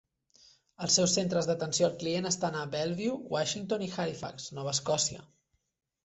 Els seus centres d'atenció al client estan a Bellevue, Washington, i Halifax, Nova Escòcia.